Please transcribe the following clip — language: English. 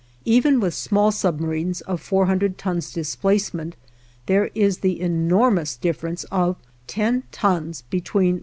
Even with small submarines of 400 tons displacement, there is the enormous difference of 10 tons between 1.